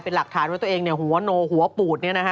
เป็นหลักฐานว่าตัวเองเนี่ยหัวโนหัวปูดเนี่ยนะฮะ